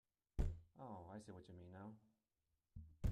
Oh, I see what you mean now.